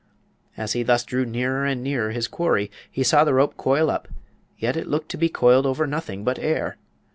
As he thus drew nearer and nearer his quarry he saw the rope coil up, yet it looked to be coiling over nothing but air.